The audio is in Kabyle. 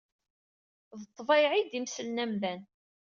D ḍḍbayeɛ ay d-imesslen amdan.